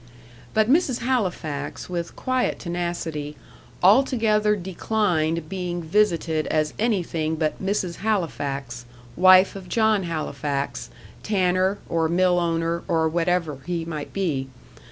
But Mrs. Halifax, with quiet tenacity, altogether declined being visited as anything but Mrs. Halifax, wife of John Halifax, tanner, or mill owner, or whatever he might be.